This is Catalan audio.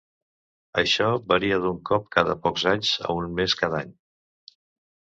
Això varia d'un cop cada pocs anys a un mes cada any.